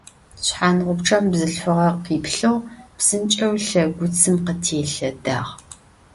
Şshanğupççem bzılhfığe khiplhığ, psınç'eu lhegutsım khıtêlhedağ.